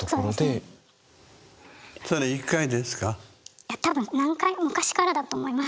いや多分何回も昔からだと思います